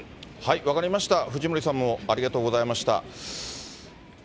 分かりました、藤森さんもありがとうございました。